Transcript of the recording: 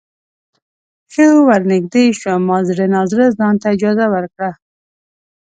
ښه ورنږدې شوم ما زړه نا زړه ځانته اجازه ورکړه.